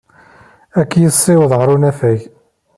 Ad k-yessiweḍ ɣer unafag.